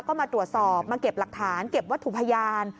ก็มาตรวจสอบมาเก็บหลักฐานเก็บวัตถุพยาน